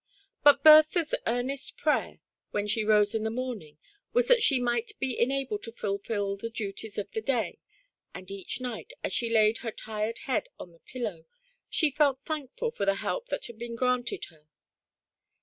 But Bertha's earnest prayer when she rose in the morning was that she might be enabled to fulfil the duties of the day; and each night, as she laid her tired head on the pillow, she felt thankful for the help that had been granted her.